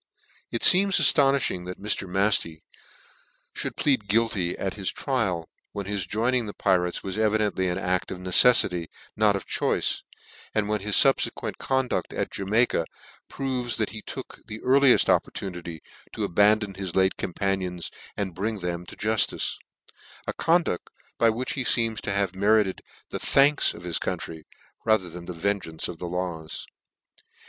It fee<ns aftonifhing that Mr. MafTey mould plead guilty at his trial, when his joining the pirate's was evidently an act of neceffity, not of choice; and when his fubfeqnent conduct at Ja maica proves that he took the earlieft opportunity to abandon his late companions, and bring them to juftice: a conduct by which he feems to have merited the thanks of his country, rather than the vengeance of the laws.